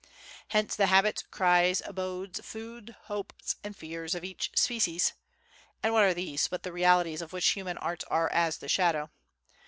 Hence the habits, cries, abodes, food, hopes and fears of each species (and what are these but the realities of which human arts are as the shadow?)